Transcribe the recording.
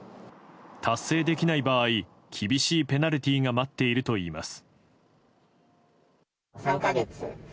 達成できない場合厳しいペナルティーが待っているといいます。